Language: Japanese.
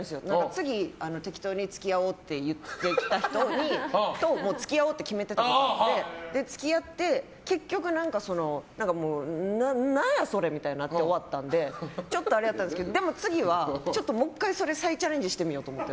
次、適当に付き合おうと言ってきた人と付き合おうって決めてて付き合って結局、何やそれみたいになって終わったんででも次は、もう１回それを再チャレンジしてみようと思って。